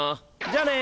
じゃあね。